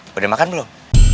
boleh makan belum